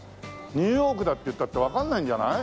ニューヨークだって言ったってわからないんじゃない？